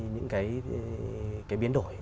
những cái biến đổi